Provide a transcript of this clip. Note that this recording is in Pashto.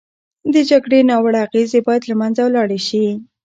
د جګړې ناوړه اغېزې باید له منځه لاړې شي.